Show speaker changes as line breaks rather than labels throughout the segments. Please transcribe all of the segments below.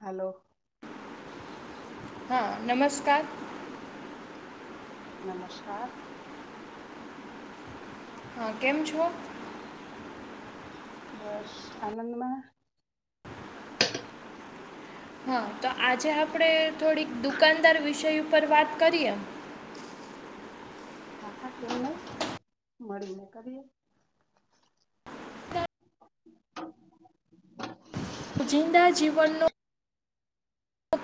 Hello
હા નમસ્કાર
નમસ્કાર
હા કેમ છો
બસ આનંદમાં
હા તો આજે આપ આપણે થોડીક દુકાનદાર વિષય ઉપર વાત કરીએ
હા હા કેને મળી ને કરીએ [inaudible]
જિંદા જીવનનો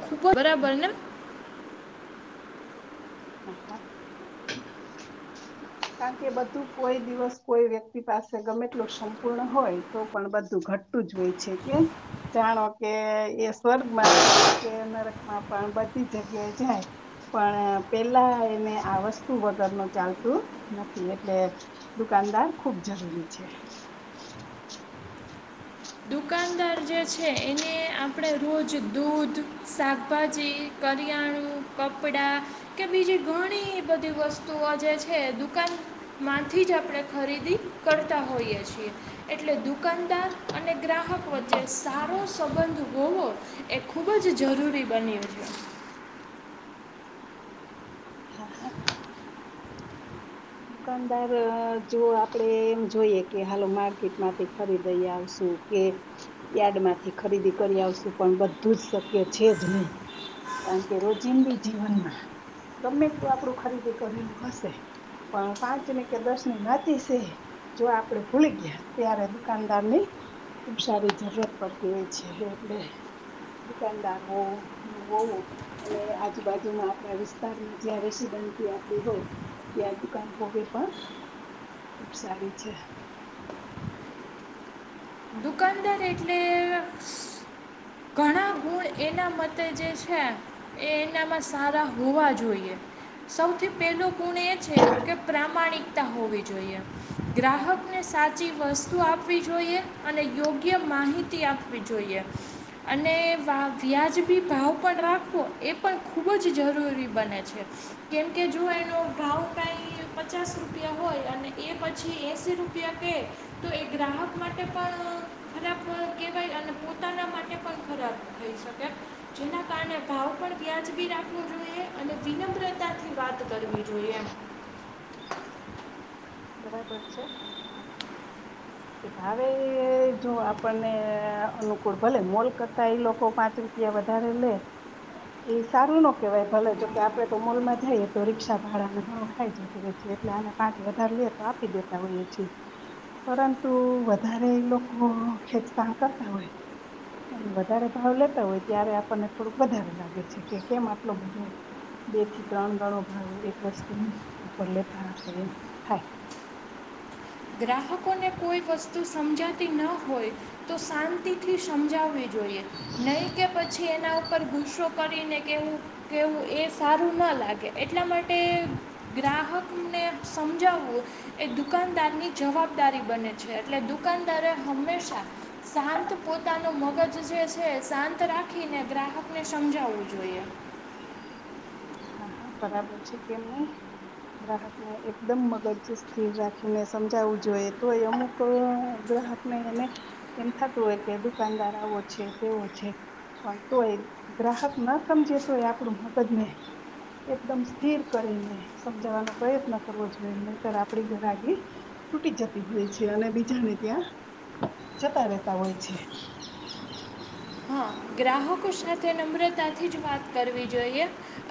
ખૂબ બરાબર ને
હા હા
[inaudible]
કારણ કે બધું કોઈ દિવસ કોઈ વ્યક્તિ પાસે ગમેટલું સંપૂર્ણ હોય તો પણ બધું ઘટતું જ હોય છે કે જાણો કે એ સ્વર્ગમાં નરકમાં પણ બધી જગ્યાએ જાય પણ પેલા એને આ વસ્તુ વગર નું ચાલતું નથી એટલે દુકાનદાર ખુબ જ જરૂરી છે
દુકાનદાર જે છે એને આ આપણે રોજ દૂધ શાકભાજી કરિયાણું કપડાં કે બીજું ઘણી બધી વસ્તુ આ જે છે દુકાન માંથી જ આપણે ખરીદી કરતા હોઈ છી એટલે દુકાનદાર અને ગ્રાહક વચ્ચે સારો સંબંધ હોવો એ ખૂબ જ જરૂરી બન્યું છે [inaudible]
હા હા દુકાનદાર જો આપડે એમ જોઈએ કે હાલો માર્કેટ માંથી ખરીદઈ આવશુ કે યાર્ડ માંથી ખરીદી કરી આવશું પણ બધું જ શક્ય છે જ નહી કારણ કે રોજિંદી જીવનમાં ગમે તે આપડું ખરીદી કરેલું હશે પણ પાંચ ની કે દસ ની વાચી છે જો આપડે ભૂલી ગયા ત્યારે દુકાનદાર ની ખુબ સારી જરૂરત પડતી હોય છે બે દુકાનદાર હો અને આજુબાજુમાં આપણા વિસ્તારમાં જ્યા રસી આપ હોય દુકાન કોોબી પણ ખુબ સારી છે
ર એટલે પણ એના મતે જે છે એ એનામાં સારા હોવા જોઈએ સૌથી પહેલો ગુણ એ છે કે પ્રામાણિકતા હોવી જોઈએ
હા
ગ્રાહક ને સાચી વસ્તુ આપવી જોઈએ અને યોગ્ય માહિતી આપવી જોઈએ અને વા વ્યાજબી ભાવ પણ રાખવો એ પણ ખૂબ જ જરૂરી બને છે કેમ કે જો ન ભઉ કાઈ પચાસ રૂપિયા હોય અને એ પછી એસી રૂપિયા કેહે તો એ ગ્રાહક માટે પણ ખરાબ કહેવાય અને પોતાના માટે પણ ખરાબ જેના કારણે ભાવ પણ વ્યાજ બી રાખવો જોઈએ અને વિનમ્રતાથી વાત કરવી જોઈએ એમ.
બરાબર છે.
[unintelligible]
કે ભાવે જો આપણને અનુકૂળ ભલે મોલ કરતા એ લોકો પાંચ રૂપિયા વધારે લે એ સારું ન કેવાય ભલે જોકે આપડે તો મોલમાં જઈએ તો રીક્ષા ભાડાને ઘણું ખાઈ જતું હોય છે. એટલે આને પાંચ વધારે લે આપી દેતા હોયએ છિએ, પરંતુ વધારે એ લોકો ખેચતાણ કરતા હોય હોય અને વધારે ભાવ લેતા હોય ત્યારે આપણને થોડુંક વધારે લાગે છે કે કેમ આટલો બધો બે થી ત્રણ ગણો ભાવો એક વર્સ ઉપર લેતા હશે એમ થાય
ગ્રાહકોને કોઈ વસ્તુ સમજાતી ન હોય તો શાંતિથી સમજાવે. જોઇએ નહીં કે પછી એના ઉપર ગુસ્સો કરીને કેવું‌ કહેવું એ સારું ન લાગે એટલા માટે ગ્રાહકને સમજાવવું. એ દુકાનદારની જવાબદારી બને છે, એટલે દુકાનદારે હંમેશા શાંત પોતાનું મગજ જે છે, શાંત રાખીને ગ્રાહકને સમજાવવું જોઈએ. [unintelligible] [inaudible]
હા હા બરાબર છે કેમ નઈ ગ્રાહક ને એકદમ મગજ સ્થિર રાખીને સમજાવવું જોઈએ તો એ અમુક હક એને એમ થતું હોય કે દુકાનદાર આવો છે, તેવો છે પણ તોય ગ્રાહક ન સમજે તો એ આપણું મગજને એકદમ સ્થિર કરીને સમજવાનો પ્રયત્ન કરવો જોઈએ નહીતર આપડી ગરાગી તૂટી જતી હોય છે અને બીજાને ત્યાં જતા રેતા હોય છે.
હા ગ્રાહકો સાથે નમ્રતાથી જ વાત કરવી જોઈએ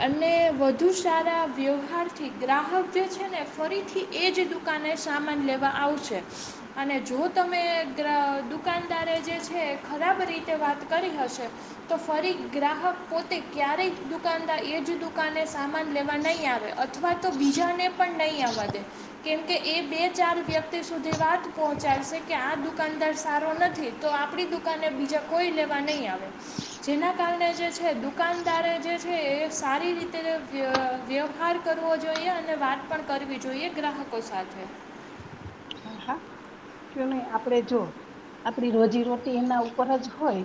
અને વધુ સારા વ્યવહારથી ગ્રાહક જે છે, ને ફરીથી એજ દુકાને સામાન લેવા આવશે. અને જો તમે દુકાનદારે જે છે, ખરાબ રીતે વાત કરી હતી છે તો ફરી ગ્રાહક પોતે ક્યારેય દુકાનદાર એ જ દુકાને સામાન લેવા નઇ આવે અથવા તો બીજાને પણ નહીં આવા દે કેમકે એ બે ચાર વ્યક્તિ સુધી પહોંચાડશે કે આ દુકાનદાર સારો નથી તો આપણી દુકાને બીજા કોઈ લેવા નહીં આવે‌ [unintelligible] [inaudible] જેના કારણે જે છે, દુકાનદારે જે છે, એ સારી રીતે અ વ્યવહાર કરવો જોઈએ અને વાત પણ કરવી જોઈએ ગ્રાહકો સાથે
હા હા કયુ નહી આપડે જો આપડી રોજીરોટી એના ઉપર જ હોય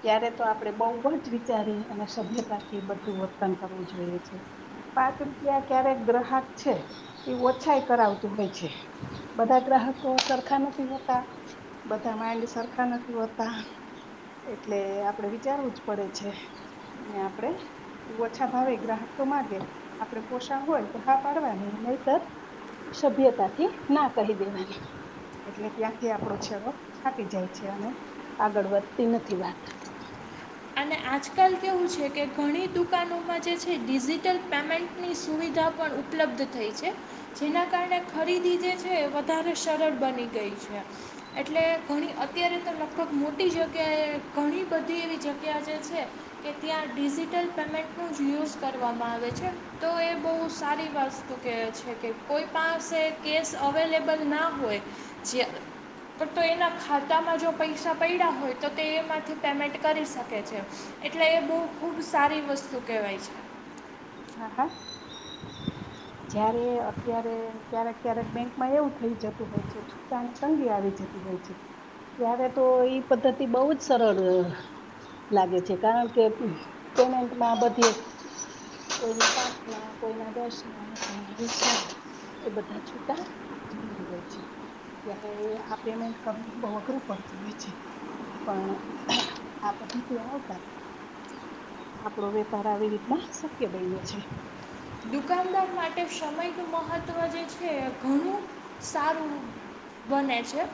ત્યારે તો આપણે બઉુ જ વિચારી અને વ્યવહારથી બધું વર્તન કરવું જોઈએ છે. પાંચ રૂપિયા ક્યારેક ગ્રાહક છે, એ ઓછા એ કરાવતું હોય છે, બધા ગ્રા બાકો સરખા નથી હોતા, બધા માઇન્ડ સરખા નથી હોતા એટલે આપડે વિચારવું જ પડે છે. અને આપણે ઓછા ભાવે ગ્રાહક તો માંગે આપડે પોશાણ હોય તો હા પાડવાની નહિતર સભ્યતાથી ના કહી દેવાની એટલે ત્યાંથી આપણો છેડો ફાટી જાય છે, અને આગળ વધતી નથી વાત
અને આજકાલ કેવું છે, કે ઘણી દુકાનોમાં જે છે, ડિજિટલ પેમેન્ટની સુવિધા પણ ઉપલબ્ધ થઈ છે, જેના કારણે ખરીદી જે છે વધારે સરળ બની ગઈ છે. એટલે ઘણી અત્યારે તો લગભગ મોટી જગ્યાએ ઘણી બધી એવી જગ્યા ત્યાં જે છે કે ત્યાં ડિજિટલ પેમેન્ટનું જ યુઝ કરવામાં આવે છે, તો એ બહુ સારી વસ્તુ કહે છે કે કોઈ પાસે કેસ અવેલેબલ ના હોય જે પણ તો એના ખાતામાં જો પૈસા પૈડ્યા હોય તો તે એમાંથી પેમેન્ટ કરી શકે છે. એટલે એ બહ ખૂબ સારી વસ્તુ કહેવાય છે.
હા હા જયારે અત્યારે ક્યારેક ક્યારેક બેંકમાં એવું થઇ જતું હોય છે છુટટાની તંગી આવી જ જતી હોય છે, ત્યારે તો ઈ પદ્ધતિ બહુ જ સરળ લાગે છે કારણ કે પેમેન્ટમાં બધી કોઈના પાંચ ના કોઈના દસ એ બધા છૂટા જરૂરી હોય છે ત્યારે આ પેમેન્ટ કરવું બઉ અઘરું પડતું હોય છે પણ આ પદ્ધતિ આવતા આપણો વેપાર આવી રીતના શક્ય બયનો છે
દુકાનદાર માટે સમયનું મહત્ત્વ જે છે ઘણું સારું બને છે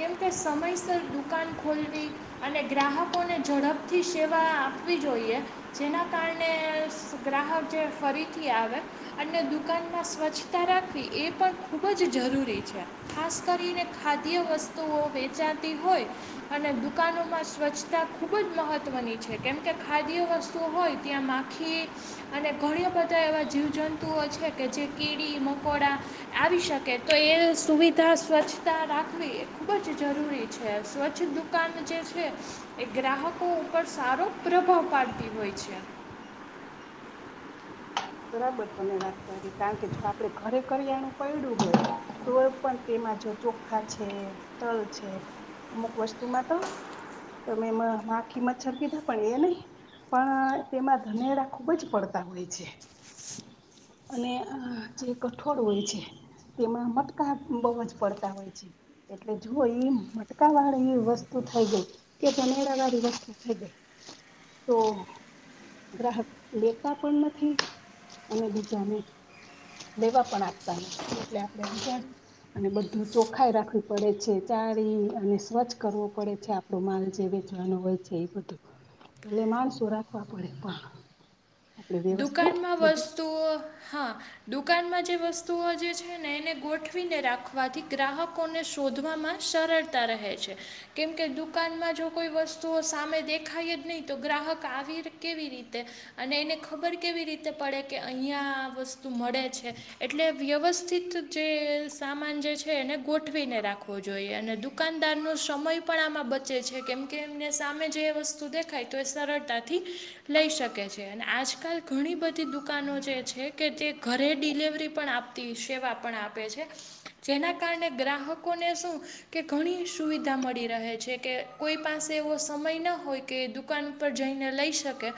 કેમ કે સમયસર દુકાન ખોલવી અને ગ્રાહકોને ઝડપ અપથી સેવા આપવી જોઈએ જેના કારણે સ ગ્રાહક જે ફરીથી આવે અને દુકાનમાં સ્વચ્છતા રાખવી એ પણ ખુબ જ જરૂરી છે ખાસ કરીને ખાદ્ય વસ્તુઓ વેચાતી હોય અને દુકાનોમાં સ્વચ્છતા ખૂબ જ મહત ‌‌‍‌‌ત્વની છે કેમ કે ખાદ્ય વસ્તુ ઓ હોય ત્યાં માખી અને ઘણયા બધા એવા જીવ જંતુઓ છે કે જે કીડી મકોડા આવી શકે તો એ સુવિધા સ્વચ્છતા રાખવી એ ખૂબ જ જરૂરી છે સ્વચ્છ દુકાન જે છે એ ગ્રાહકો પર સારો પ્રભાવ પાડતી હોય છે
બરાબર તમે વાત કરી કારણ કે જો આપડે ઘરે કરીરિયાણું પડડું ગય તો પણ જો ચોખા છે, તલ છે, અમુક વસ્તુમાં તો તમે માખી મચ્છર કીધા પણ એ નહ પણ તેમાં ધનેરા ખુબ જ પડતા હોય છે
[inaudible]
અને આ જે કઠોળ હોય છે તેમાં મટકા બહુ જ પડતા હોય છે એટલે જોઓ ઈ મટકા વાળી વસ્તુ થઈ ગઈ કે જનેરા વાળી વસ્તુ થઈ ગઈ તો ગ્રાહક લેતા પણ નથી અને બીજાને દેવા પણ આપતા નથી એટલે આપણે વિ જા અને બધું ચોખાઈ રાખવી પડે છે ચારી અને સ્વચ્છ કરવો પડે છે આપડો માલ જેવી પૂછવાનું હોય છે એ બધું એટલે માણસું રાખવા પડે પણ આપણે વ્યવસ્થિત
દુકાનમાં
બધું
વસ્તુઓ હા દુકાનમાં જે વસ્તુઓ જે છે ને એને ગોઠવીને રાખવાથી ગ્રાહકોને શું શોધવામાં સરળતા રહે છે કેમકે દુકાનમાં જો કોઈ વસ્તુઓ સામે દેખાય નય તો ગ્રાહક આવી કેવી રીતે અને એને ખબર કેવી રીતે પડે કે અહીંયા વસ્તુ મળે છે એટલે વ્યવસ્થિત જે સામાન જે છે એને ગોઠવીને રાખવો જોઈએ અને દુકાનદાર નો સમય પણ આમાં બચે છે કેમ કે એમને સામે જે એ વસ્તુ દેખાય તો એ સરળતાથી લઈ શકે છે અને આજ કાલ ઘણી બધી દુકાનો જે છે કે જે ઘરે ડિલેવરી પણ આપતી સેવા પણ આપે છે જેના કારણે ગ્રાહકોને શું કે ઘણી સુવિધા મળી રહે છે કે કોઈ પાસે એવો સમય ન હોય કે દુકાન પર જઈને લઈ શકે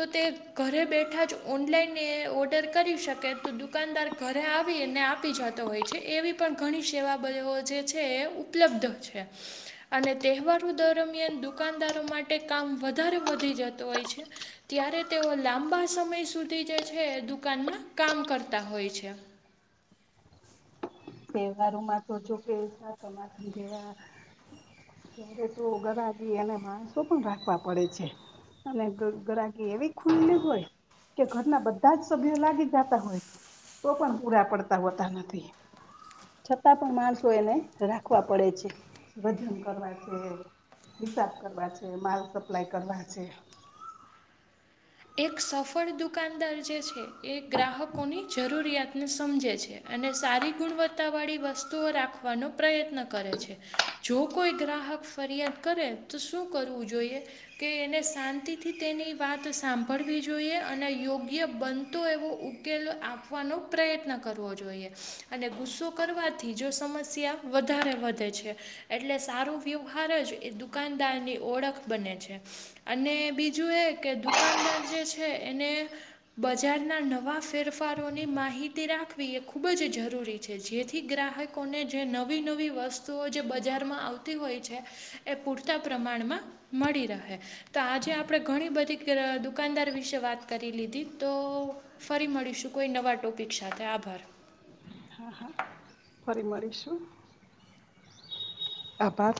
તો તે ઘરે બેઠા જ ઓનલાઈન ને ઓર્ડર કરી શકે તો દુકાનદાર ઘરે આવીને આપી જા તો હોય છે એવી પણ ઘણી સેવા બ જે છે ઉપલબ્ધ છે અને તહેવાર દરમિયાન દુકાનદારો માટે કામ વધારે વધી જતો હોય છે ત્યારે તેઓ લાંબા સમય સુધી જે છે દુકાનમાં કામ કરતા હોય છે [inaudible]
તહેવારોમાં તો જોકે સાતમ આઠમ જેવા ત્યારે તો ગરા ગી એને માણસો પણ રાખવા પડે છે અને ગ ગરાકી એવી ખુલ્લી જ હોય કે ઘરના બધા જ સભ્યો લાગી જાતા હોય તો પણ પૂરા પડતા હોતા નથી છતાં પણ માણસો એને રાખવા પડે છે વજન કરવા છે હિસાબ કરવા છે માલ સપ્લાય કરવા છે.
એક સફળ દુકાનદાર જે છે એ ગ્રાહકોની જરૂરિયાત સમજે છે અને સારી ગુણવત્તા વાળી વસ્તુઓ રાખવાનો પ્રયત્ન કરે છે. જો કોઈ ગ્રાહક ફરિયાદ કરે તો શું કરવું જોઈએ કે એને શાંતિથી તે ની વાત સાંભળ ભડવી જોઈએ અને યોગ્ય બનતો એવો ઉકેલ આપવાનો પ્રયત્ન કરવો જોઈએ અને ગુસ્સો કરવાથી જો સમસ્યા વધારે વધે છે એટલે સારું યોગ એ દુકાનદાર ની ઓળખ બને છે અને બીજું એ કે દુકાનદાર બજારના નવા ફેરફારો ની માહિતી રાખવી એ ખુબ જ જરૂરી છે જેથી ગ્રાહકોને જે નવી નવી વસ્તુઓ જે બજારમાં આવતી હોય છે એ પર પ્રમાણમાં મળી રહે તો આજે આપણે ઘણી બધી દુકાનદાર વિશે વાત કરી લીધી તો ફરી મળીશું કોઈ નવા ટોપિક સાથે આભાર
હા હા ફરી મળીશું. આભાર